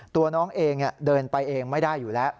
ตัวน้องเองเดินไปเองไม่ได้อยู่แล้ว